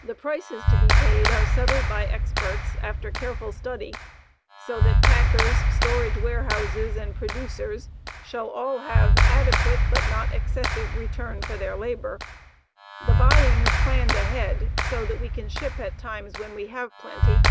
The prices to be paid are settled by experts, after careful study, so that packers, storage warehouses, and producers shall all have adequate, but not excessive return for their labor. The buying is planned ahead so that we can ship at times when we have plenty.